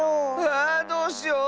あどうしよう。